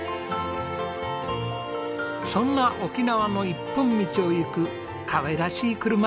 そんな沖縄の一本道を行くかわいらしい車。